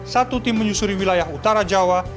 satu tim menyusuri wilayah utara jawa